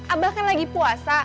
abah kan lagi puasa